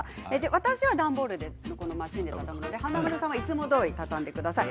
私は段ボールマシンで華丸さんはいつもどおり畳んでください。